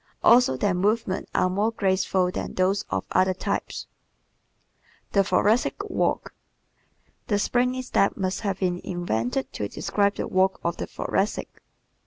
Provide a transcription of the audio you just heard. Also their movements are more graceful than those of other types. The Thoracic Walk ¶ "The springy step" must have been invented to describe the walk of the Thoracic.